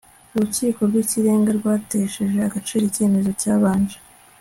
urukiko rw'ikirenga rwatesheje agaciro icyemezo cyabanje